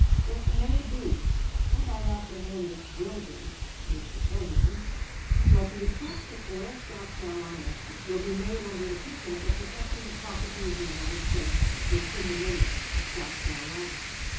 It may be, and I apprehend it will be, Mr. President, that the attempt to coerce South Carolina will be made under the pretense of protecting the property of the United States within the limits of South Carolina.